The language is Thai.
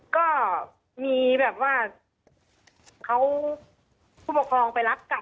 ก็มีแบบว่าเขาผู้ปกครองไปรับกลับ